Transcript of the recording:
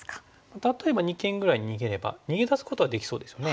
例えば二間ぐらいに逃げれば逃げ出すことはできそうですよね。